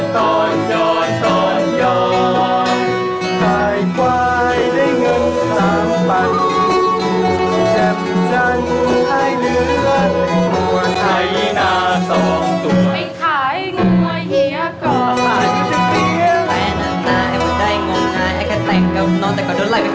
ตอนยอดตามตอนยอดตามตอนยอดตอนยอดตอนยอด